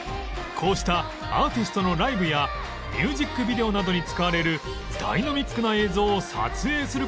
こうしたアーティストのライブやミュージックビデオなどに使われるダイナミックな映像を撮影する事もできるのだ